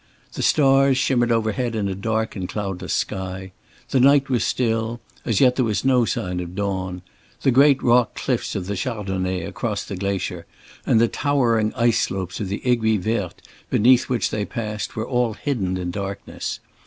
The stars shimmered overhead in a dark and cloudless sky. The night was still; as yet there was no sign of dawn. The great rock cliffs of the Chardonnet across the glacier and the towering ice slopes of the Aiguille Verte beneath which they passed were all hidden in darkness.